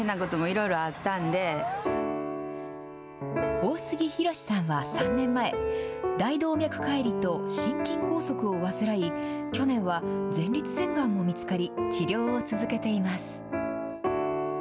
大杉啓之さんは３年前、大動脈解離と心筋梗塞を患い、去年は前立腺がんも見つかり、治療を続けています。